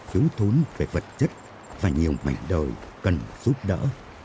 thiếu thốn về vật chất và nhiều mảnh đời cần giúp đỡ